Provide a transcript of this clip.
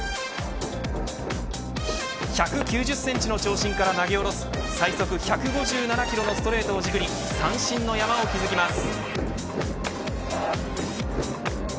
１９０センチの長身から投げ下ろす最速１５７キロのストレートを軸に三振の山を築きます。